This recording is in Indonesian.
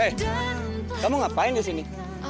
hei kamu ngapain disini